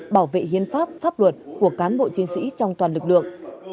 bảo vệ hiến pháp pháp luật của cán bộ chiến sĩ trong toàn lực lượng